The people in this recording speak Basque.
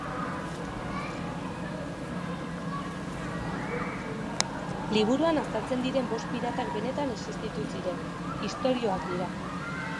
Liburuan azaltzen diren bost piratak benetan existitu ziren, historikoak dira.